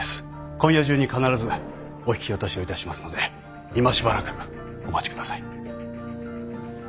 今夜中に必ずお引き渡しをいたしますので今しばらくお待ちください。